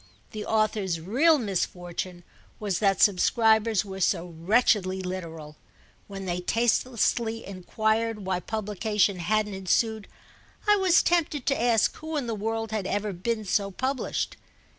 The author's real misfortune was that subscribers were so wretchedly literal. When they tastelessly enquired why publication hadn't ensued I was tempted to ask who in the world had ever been so published.